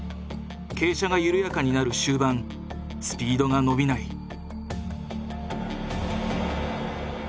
傾斜が緩やかになる終盤スピードが伸びない。